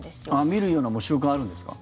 見るような習慣あるんですか？